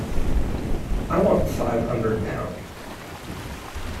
I want five hundred pound.